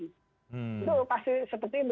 itu pasti seperti itu